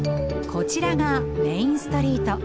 こちらがメインストリート。